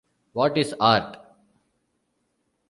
What Is Art?